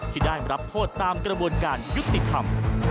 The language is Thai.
ที่ได้รับโทษตามกระบวนการยุติธรรม